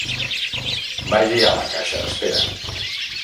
Vagi a la caixa d'espera.